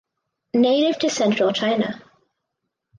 Native to central China.